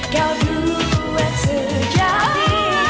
kau duet sejati